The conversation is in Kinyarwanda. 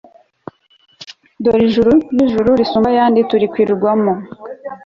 dore ijuru ndetse ni ijuru risumba ayandi, nturikwirwamo